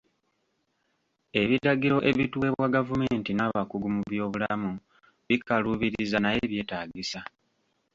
Ebiragiro ebituweebwa gavumenti n'abakugu mu by'obulammu bikaluubiriza naye byetaagisa.